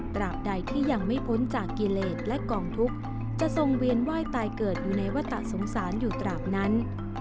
บใดที่ยังไม่พ้นจากกิเลสและกองทุกข์จะทรงเวียนไหว้ตายเกิดอยู่ในวัตตสงสารอยู่ตราบนั้น